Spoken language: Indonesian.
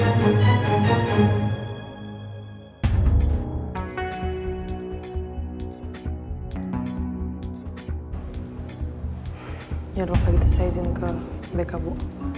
ya jangan lupa kita saizin ke bk bu